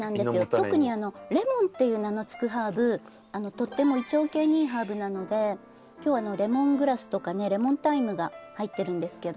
特に「レモン」っていう名の付くハーブとっても胃腸系にいいハーブなので今日はレモングラスとかねレモンタイムが入ってるんですけど。